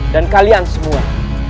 dan kalian semua